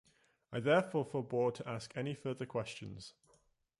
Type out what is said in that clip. I therefore forbore to ask any further questions.